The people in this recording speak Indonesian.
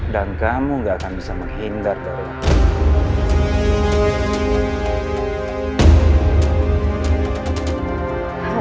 kamu gak akan bisa menghindar dari aku